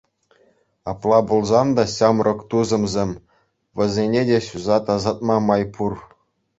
Апла пулсан та, ҫамрӑк тусӑмсем, вӗсене те ҫуса тасатма май пур.